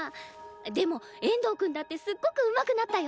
でも遠藤くんだってすっごくうまくなったよ。